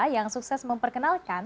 yang sukses memperkenalkan